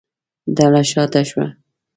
ډله شا ته شوه.